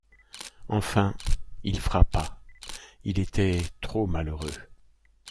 Enfin, il frappa, il était trop malheureux.